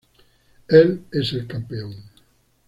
Él es el campeón.